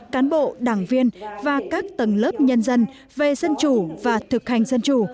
cán bộ đảng viên và các tầng lớp nhân dân về dân chủ và thực hành dân chủ